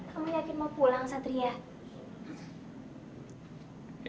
kamu yakin mau pulang satria